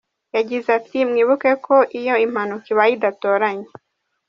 Yagize ati :" Mwibuke ko iyo impanuka ibaye idatoranya.